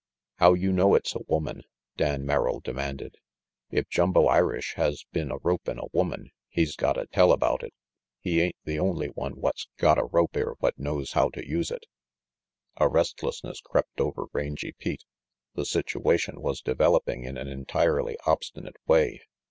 "How you know it's a woman? " Dan Merrill demanded. "If Jumbo Irish has been a ropin* a woman, he's gotta tell about it. He ain't the only one what's got a rope er what knows how to use it." A restlessness crept over Rangy Pete. The situa tion was developing in an entirely obstinate way.